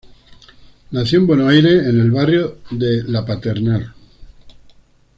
Nació en Buenos Aires, en el barrio de La Paternal.